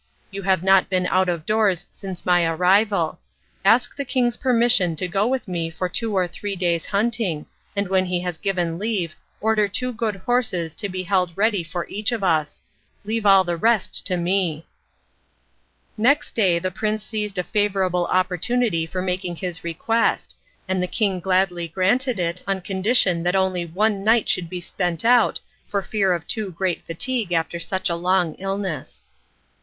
You have not been out of doors since my arrival. Ask the king's permission to go with me for two or three days' hunting, and when he has given leave order two good horses to be held ready for each of us. Leave all the rest to me." Next day the prince seized a favourable opportunity for making his request, and the king gladly granted it on condition that only one night should be spent out for fear of too great fatigue after such a long illness.